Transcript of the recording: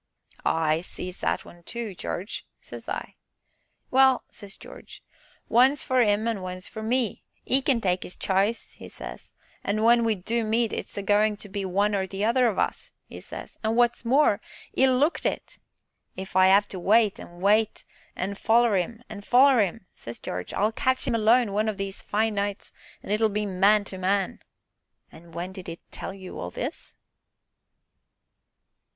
'Ah! I sees that un too, Jarge,' says I. 'Well,' says Jarge, 'one's for 'im an' one's for me 'e can take 'is chice,' 'e says, 'an' when we do meet, it's a goin' to be one or t' other of us,' 'e says, an' wot's more 'e looked it! 'If I 'ave to wait, an' wait, an' foller 'im, an' foller 'im,' says Jarge, 'I'll catch 'im alone, one o' these fine nights, an' it'll be man to man.'" "And when did he tell you all this?"